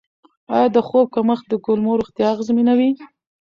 آیا د خوب کمښت د کولمو روغتیا اغېزمنوي؟